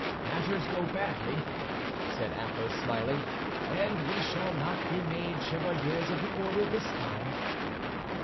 "Matters go but badly," said Athos, smiling; "and we shall not be made Chevaliers of the Order this time."